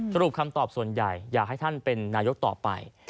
คำตอบส่วนใหญ่อยากให้ท่านเป็นนายกต่อไป